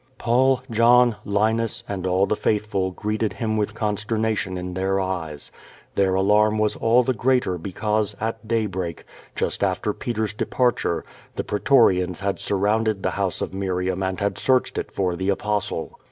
Paul, John, Linus and all the faithful greeted him with consternation in their eyes. Their alarm was all the greater because, at daybreak, just after Peter's departure, the pretor ians had surrounded the house of Miriam and had searcheil it for. the Apostle.